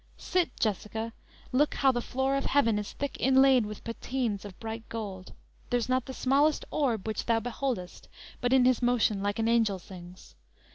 Sit, Jessica; look, how the floor of heaven Is thick inlaid with patines of bright gold; There's not the smallest orb, which thou beholdest But in his motion like an angel sings.